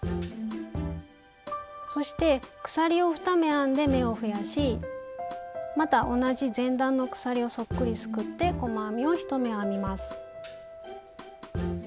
そして鎖を２目編んで目を増やしまた同じ前段の鎖をそっくりすくって細編みを１目編みます。